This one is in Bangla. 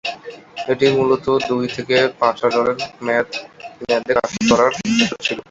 এটি মূলত দুই থেকে পাঁচ বছরের মেয়াদে কাজ করার উদ্দেশ্যে ছিল।